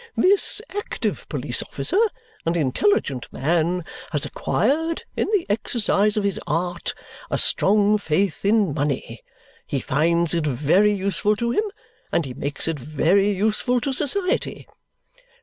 This active police officer and intelligent man has acquired, in the exercise of his art, a strong faith in money; he finds it very useful to him, and he makes it very useful to society.